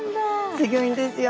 すギョいんですよ。